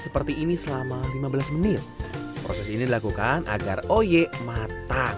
seperti ini selama lima belas menit proses ini dilakukan agar oye matang